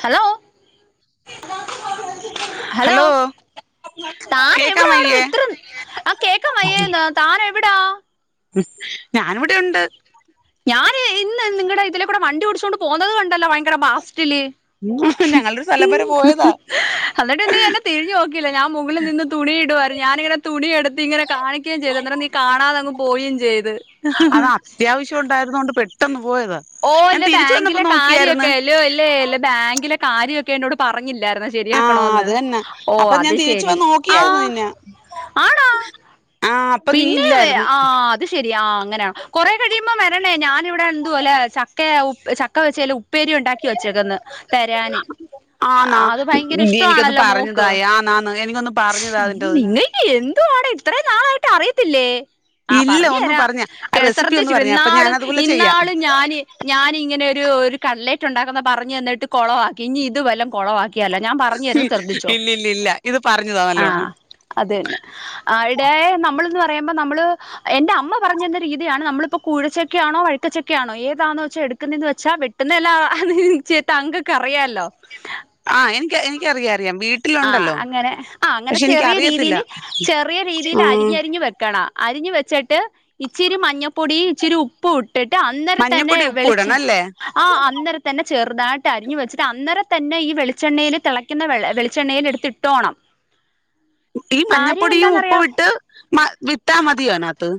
hello hello താൻ കേക്കാൻ എവിടാടോ വയ്യേ ഇത്ര ആ കേൾക്കാൻ വയ്യാരയുന്നോ താൻ എ ഞാൻ ഇവിടെ ഉണ്ട് ഞാൻ ഇന്ന് നിങ്ങളുടെ ഇതിലെക്കൂടെ വണ്ടി ഓടിച്ചോണ്ട് പോന്നുന്നത് കണ്ടല്ലോ ഭയങ്കര ഫാസ്റ്റില് ഞങ്ങളൊരു സ്ഥലം വരെ പോയതാ എന്നിട്ട് ഇ നീ എന്നെ തിരിഞ്ഞു നോക്കിയില്ല ഞാൻ മുകളിൽ നിന്ന് തുണിയിടുവാരു ഞാനിങ്ങനെ തുണി എടു ഇങ്ങനെ കാണിക്കുകയും ചെയ്ത് അന്നേരം നീ കാണാതങ്ങ് പോവയും ചെയ്ത് ചൂട് ഉണ്ടായിരുന്ന കൊണ്ട് പെട്ടെന്ന് ഉ ഓ ല്ല ബാങ്കിലെ കാര്യക്കെല്ലോ ഇല്ലേ ല്ലേ ബാങ്കിലെ കാര്യക്കെ എന്നോട് പറഞ്ഞില്ല ല്ലായിന്ന ആ ശെരിയാക്കണൊന്ന് അത് തന്നെ ഓ അപ്പൊ ഞാൻ അത് തിരിച്ചു ശെരി വന്ന് ആ നോക്കിയായിരുന്നു നിന്നെ ആണോ ആ അപ്പൊ നീ പിന്നെ ഇല്ലായിരുന്നു ആ അത് ശെരി ആ അങ്ങനെയ കൊറെ കഴിയുമ്പോ വരണേ ഞാനിവിടെ എന്തുവ ചക്ക ഉ ചക്ക വെച്ചല് ഉപ്പേരി ഉണ്ടാക്കി വെച്ചേക്കന്ന് തരാന് ആന്നാ അത് ഭയങ്കര നീ എനിക്കൊന്ന് ഇഷ്ടമാണല്ലോ മോക്ക് പറഞ്ഞുതായ ആന്നാന്ന് എനിക്കൊന്ന് പറഞ്ഞുതാ അതിന്റത് നിങ്ങ ഇത് എന്തുവാടെ ഇത്രയും നാളായിട്ട് അറിയത്തില്ലേ ആ ഇല്ല പറഞ്ഞു ഒന്ന് തരാം പറഞ്ഞ ആ റെസിപ്പി ഒന്ന് ശ്രദ്ധിച്ചു പറഞ്ഞ അപ്പൊ ഞാൻ ന്നാളും അതുപോലെ ചെയ്യാം ഇന്നാളും ഞാന് ഞാന് ഇങ്ങനെ ഒരു ഒരു കട്ലേറ്റ് ഉണ്ടാക്കുന്ന പറഞ്ഞ് തന്നിട്ട് കൊളവാക്കി ഇനി ഇത് വല്ലോം കുളവാക്കിയലാ ഞാൻ പറഞ്ഞു തരുന്നത് ശ്രദ്ധിച്ചോ ഇല്ല ഇല്ല ഇല്ല ഇത് പറഞ്ഞുതാ ആ നല്ലോണം അത് തന്നെ ആ ഇടെ നമ്മളൊന്ന് പറയുമ്പോ നമ്മള് എന്റെ അമ്മ പറഞ്ഞ രീതിയാണ് നമ്മളിപ്പോ കുഴച്ചക്ക ആണോ വഴുക്കച്ചൊക്കെ ആണോ ഏത് വെച്ച എടുക്കുന്നന്ന് വെച്ചാ വെട്ടുന്നല്ല ചേ അങ്കൊക്കെറിയാലോ ആ എനിക്ക് എനിക്ക അറിയാ ആ് അങ്ങനെ ആ അങ്ങനെ പക്ഷെ ചെറിയ എനിക്കറിയത്തില്ല രീതിൽ ചെറിയ രീതിൽ ഉം അരിഞ്ഞരിഞ്ഞ് വെക്കണ അരിഞ്ഞഞ് വെച്ചിട്ട് ഇച്ചിരി മഞ്ഞൾപ്പൊടി ഇച്ചിരി ഉപ്പ് ഇട്ടിട്ട് അന്നേം തന്നെ മഞ്ഞപ്പൊടി ഉപ്പ് വെളിച്ച ഇടണം അല്ലേ ആ അന്നരം തന്നെ ചെറുതായിട്ട് അരിഞ്ഞഞ് വെച്ചിട്ട് അന്നര തന്നെ ഈ വെളിച്ചെണ്ണയിൽ തിളക്കുന്നെ വെളിച്ചെണ്ണയിൽ എടുത്ത്ട്ടോണം ഈ മഞ്ഞപ്പൊടിയും ഉപ്പ് ഇട്ട് മ വിത്താ മതിയ അതിനകത്ത്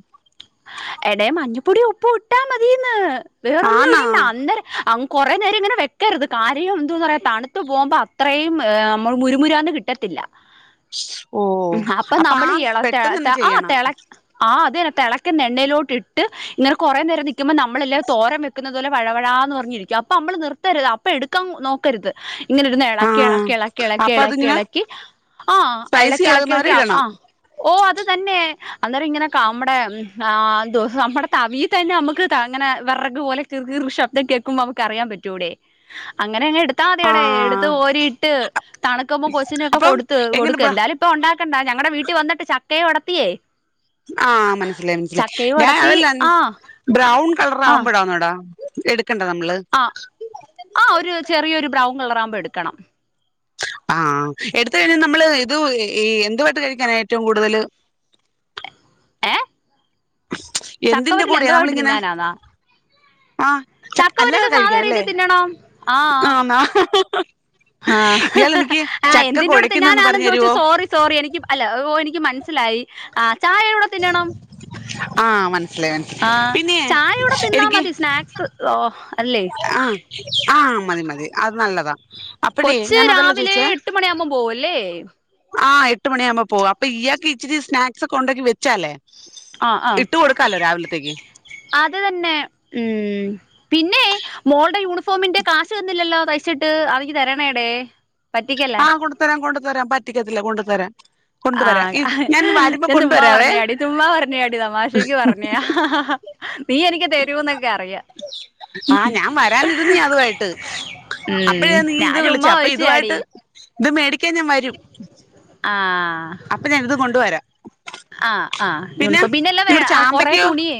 എട മഞ്ഞുപ്പൊടി ഉപ്പ് ഇട്ടാ മതിന്ന് വേറൊന്നും ആന്നാ ഇടണ്ട അന്നേരം കുറേ നേരം ഇങ്ങനെ വെക്കരുത് കാര്യം എന്ത പറയുക തണുത്തത്ത് പോകുമ്പോൾ അത്രയും നമ്മൾ മുരുമുരാന്ന് കിട്ടത്തില്ല ഓ അപ്പൊ നമ്മൾ ആ ഈ ഇള പെട്ടെന്ന് തന്നെ ആ ചെയ്യണം തിള ആ അത എണ്ണയിലോട്ട ഇട്ട് ഇങ്ങനെ കുറെേ നേരം നിക്കുമ്പോ നമ്മളല്ല തോരം വെക്കുന്നത് പോല വഴവഴ എന്ന് പറഞ്ഞിരിക്കും അ നമ്മള് നിർത്തരുത് അപ്പൊ എടുക്കാ നോക്കരുത് ഇങ്ങനെരുരുന്നു ആ ഇളക്കി ഇളക്കി ഇളക്കി ഇളക്കി അപ്പൊ ഇളക്കി അതിങ്ങനെ ഇളക്കി ആ് സ്പൈസി ഇളക്കി ഇളക്കി ആകുന്നവരെ ഇളക്കി ആ ഇടണം ഓ അത് തന്നെ അന്നേരം ഇങ്ങനെക്ക നമ്മുടെ ആ് ദിവസം നമ്മുടെ തവിയിൽ തന്നെ നമക്ക് അങ്ങെ വിറക് പോലെ ചെറ കൃ ശബ്ദം കേൾക്കുമ്പോ നമുക്ക് അറിയൻ പറ്റും റ്റൂടെ അങ്ങ അങ്ങനെങ്ങെ എടുത്താ മതി ആ അവിടെ എടുത്ത് ഓരി ഇട്ട് തണുക്കമോ കൊച്ചിനും ഒക്കെ അപ്പം കൊടുത്ത് എങ്ങനെ കൊടുക്ക ബ്ര എന്താലും ഇപ്പ ഉണ്ട ക്കെണ്ടാ ഞങ്ങളടെ വീട്ടിൽ വന്നിട്ട് ചക്ക കൊടത്തിയേ ആ മനസ്സിലായി മനസ്സിലായി ഞാൻ ഒടത്തി അതെല്ലാം ആ ബ്രൗൺ കളറ ആ ആവുമ്പോടാന്നടാ എടു ആ ആ ഒരു ചെറിയൊരു ബ്രൗൺ കളറ ആവുമ്പോ എടുക്കണം ആഹ എടുത്ത കഴിഞ്ഞാൽ നമ്മള് ഇത് ഈ എന്തുമായിട്ട് കഴിക്കാന ഏറ്റവും കൂടുതൽ [unintelligible] എന്തിന്റെ ചക്കവറ്റിൽ കൂടെയാ എന്തോ ആയിട്ട് നമ്മളിങ്ങനെ തിന്നാനാന്നാ ആ ചക്കവരിൽ അല്ലാതെ സാധാര കഴിക്കാൻ അല്ലേ രീതിൽ തിന്നണം ആഹ ആന്നാ ആ ഇയാൾ എനിക്ക് ആ ചക്ക എന്തിന്റെടെത്ത് കുഴയ്ക്കുന്നൊന്ന് ഞാനാണെന്ന് പറഞ്ഞു ചോദിച്ചു തരുവോ സോറി സോറി എനിക്ക് അല്ല ഓ എനിക്ക് മ മനസ്സിലായി ആ ചായ കൂടെ തിന്നണം ആ മനസ്സിലായി ആ മനസ്സിലായി പിന്നെ ചായ ഇൂടെ തിന്നാ മതി സ്നാക്സ് അല്ലേ ആഹ ആഹ മതി മതി അത് നല്ലതാ അപ്പഴേ കൊച്ച് ഞാൻ അതല്ല രാവിലെ ചോദിച്ചേ എട്ട് മണിയാുമ്പോം പോവ അല്ലേ ആ എട്ട് മണിയ ആുമ്പ പോ അപ്പ ഇയാക്കക്ക് ഇച്ചിരി സ്നാക്സ് ഒെ കൊണ്ടക്കി വെച്ചാാലേ ആ ആഹ അത് തന്നെ ഉ പിന്നെ മോളുടെ യൂണിഫോമിന്റെ കാശ് തന്നില്ലല്ലോ തയ്ച്ചിട്ട് അതിക്ക് തരണേടേ പറ്റിക്കല്ലേ ആഹ കൊണ്ട തരാൻ കൊണ്ടു തരാൻ പറ്റിക്കത്തില്ല കൊണ്ടു തരാൻ ആഹ ഞാൻ ചുമ്മാ കൊണ്ടുവരാവേ പറഞ്ഞതാടി ചുമ്മാ പറഞ്ഞതാടി തമാഷയ്ക്ക് പറഞ്ഞതാ നീ എനിക്ക് തരു എന്നൊക്കെ അറിയാം ആ ഞാൻ വരാനിരുന്ന് അതുമായിട്ട് ഉം അപ്പഴാ നീ ഞാൻ ഉുമ് ഞാൻ ഇത് വിളിച്ചേ ചുമ്മാ അപ്പൊ ചോയിച്ചതാടി ഇതുമായിട്ട് ഇത് മേടിക്കാൻ ഞാൻ വരും ആ അപ്പൊ ഞാൻ ഇത് കൊണ്ടുവരാം ആ ആ ആ് പിന്നെ ഞണപ്പ പിന്നെല്ലാം വേ നിങ്ങടെ കൊറെ ചാമ്പയ്ക്കയോ തുണിയേ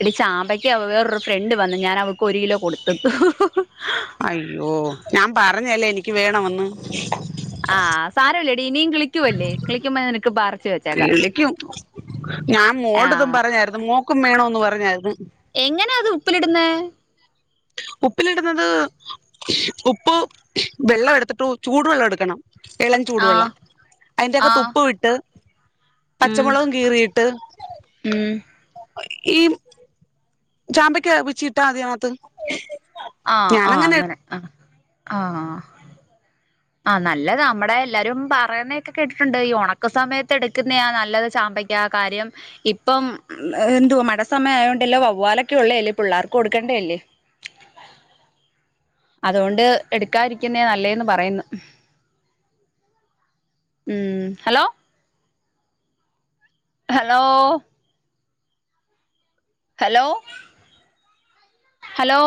എടി ചാമ്പയ്ക്ക് വേറൊരു ഫ്രണ്ട് വന്നു ഞാൻ അവക്ക് ഒരു കിലോ കൊടുത്തിട്ടു അയ്യോ ഞാൻ പറഞ്ഞല്ലേ എനിക്ക് വേണമെന്ന് ആഹ സാരമല്ലേട ഇനിയും കിളിക്കുവല്ലേ കിളിക്കുമ്പോ നിനക്ക് പാറച്ച് വെച്ചേക്കാം വിളിക്കും ഞാൻ മോളടതും ആഹ് പറഞ്ഞായിരുന്നു മോക്കും വേണോന്ന് പറഞ്ഞായിരുന്നു എങ്ങനെയാ അത് ഉപ്പിലിടുന്ന ഉപ്പിലിടുന്നത് ഉപ്പ് വെള്ളം എടുത്തിട്ടു ചൂടുവെള്ളം എടുക്കണം ഇളം ചൂടുവെള്ളം ആഹ് അതിന്റെൊക്കെ ആഹ് തുപ്പ് വിട്ട് ഉം പച്ചമുളകും കീറിയിട്ട് ഉം ഈ ചാമ്പയ്ക്കപിച്ചിട്ടാ അതികത്ത് ആ ആ അങ്ങനെ ആ ആ ആഹ നല്ലത് നമ്മടെ എല്ലാരും പറയുന്നേൊക്കെ കേട്ടിട്ടുണ്ട് ഈ ഉണക്ക സമയത്ത് എടുക്കുന്ന നല്ലത്മ്പ ആ കാര്യം ഇപ്പം എന്തുവ മട സമയയോണ്ടല്ലേ വവ്വാലൊക്കെ ഉള്ളയല്ലേ പിള്ളേർക്ക് കൊടുക്കാൻ ക്കണ്ടല്ലേ അതുകൊണ്ട് എടുക്കാതിരിക്കുന്നേ നല്ലേന്ന് പറയുന്നു ഉം hello hello hello hello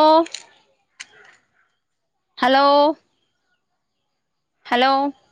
hello hello